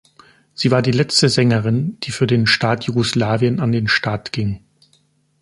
Sie war die letzte Sängerin, die für den Staat Jugoslawien an den Start ging.